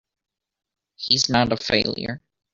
He's not a failure!